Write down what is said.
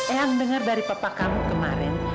eyang dengar dari papa kamu kemarin